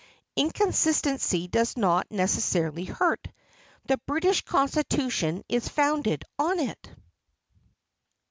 Inconsistency does not necessarily hurt. The Brit ish Constitution is founded on it.